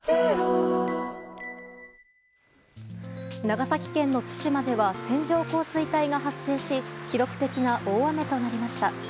長崎県の対馬では線状降水帯が発生し記録的な大雨となりました。